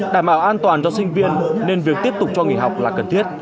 đảm bảo an toàn cho sinh viên nên việc tiếp tục cho nghỉ học là cần thiết